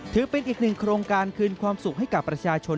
ถือเป็นอีกหนึ่งโครงการคืนความสุขให้กับประชาชน